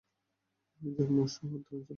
এর জন্ম উষ্ণ ও আর্দ্র অঞ্চলে।